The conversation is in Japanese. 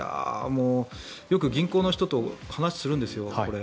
よく銀行の人と話をするんですよこれ。